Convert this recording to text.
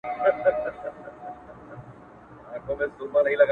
• رنګین ګلونه پر ګرېوانه سول ,